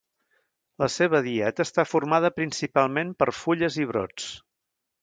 La seva dieta està formada principalment per fulles i brots.